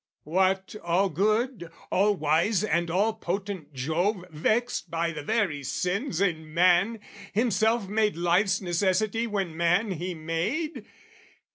What all good, all wise and all potent Jove Vexed by the very sins in man, himself Made life's necessity when man he made?